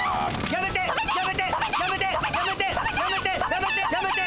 やめて！